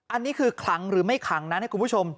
อันนี้คือขลังหรือไม่ขลังนะคุณผู้ชม